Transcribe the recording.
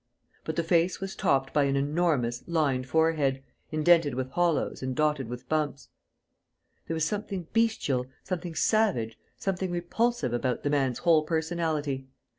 But the face was topped by an enormous, lined forehead, indented with hollows and dotted with bumps. There was something bestial, something savage, something repulsive about the man's whole personality.